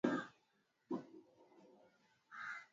ya nchi zilianza kujitoa katika umoja huu